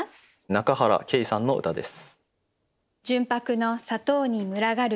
仲原佳さんの歌です。